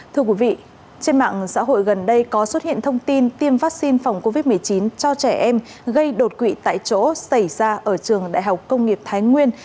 thưa quý vị trên mạng xã hội gần đây có xuất hiện thông tin tiêm vaccine phòng covid một mươi chín cho trẻ em gây đột quỵ tại chỗ xảy ra ở trường đại học công nghiệp thái nguyên